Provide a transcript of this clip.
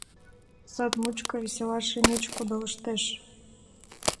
Сад мучко весела Шемеч кудалыштеш.